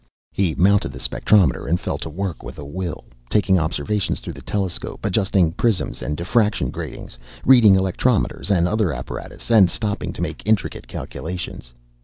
He mounted the spectrometer and fell to work with a will, taking observations through the telescope, adjusting prisms and diffraction gratings, reading electrometers and other apparatus, and stopping to make intricate calculations.